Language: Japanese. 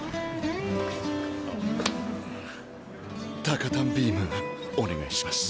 高たんビームお願いします。